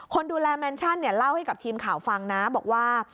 คนดูแลแมนชั่นเนี่ยเล่าให้กับทีมข่าวฟังนะบอกว่า